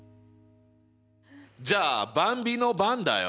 じゃあばんびの番だよ。